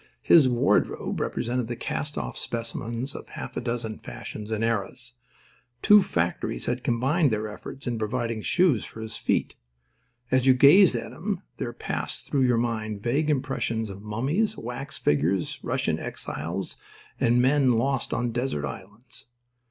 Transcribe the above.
His wardrobe represented the cast off specimens of half a dozen fashions and eras. Two factories had combined their efforts in providing shoes for his feet. As you gazed at him there passed through your mind vague impressions of mummies, wax figures, Russian exiles, and men lost on desert islands.